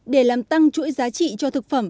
để làm tăng chuỗi giá trị cho thực phẩm